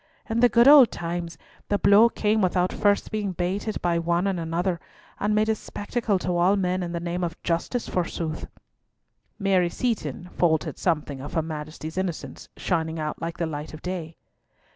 In the good old times, the blow came without being first baited by one and another, and made a spectacle to all men, in the name of justice, forsooth!" Mary Seaton faltered something of her Majesty's innocence shining out like the light of day.